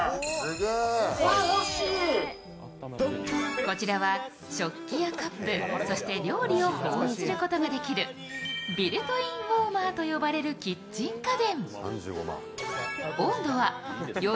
こちらは食器やカップ、そして料理を保温することができるビルトインウォーマーと呼ばれるキッチン家電。